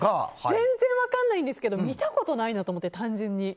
全然分からないんですけど見たことないなと思って、単純に。